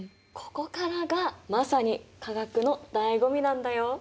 ここからがまさに化学のだいご味なんだよ。